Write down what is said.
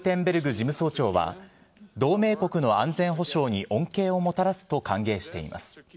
事務総長は、同盟国の安全保障に恩恵をもたらすと歓迎しています。